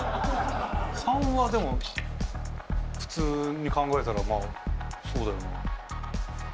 ③はでも普通に考えたらまあそうだよな。